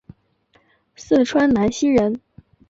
四川南溪人。